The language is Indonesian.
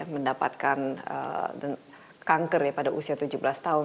mendapatkan kanker ya pada usia tujuh belas tahun